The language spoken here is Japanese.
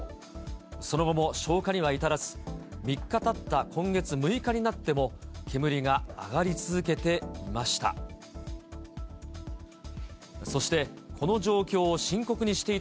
その後も消火には至らず、３日たった今月６日になっても、煙が上がり続けていました。